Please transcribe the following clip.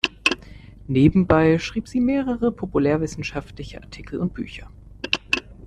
Nebenbei schrieb sie mehrere populärwissenschaftliche Artikel und Bücher.